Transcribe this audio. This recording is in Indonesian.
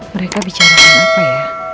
mereka bicarakan apa ya